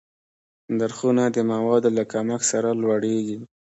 نرخونه د موادو له کمښت سره لوړېږي.